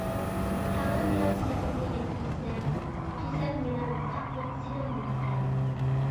تەڭرى مېنىڭ تىلىكىمگە يەتكۈزسە، كېسەل مېنىڭ، ساقلىق سېنىڭ بولسىكەن.